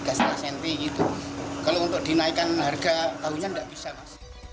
kalau untuk dinaikkan harga tahunya tidak bisa mas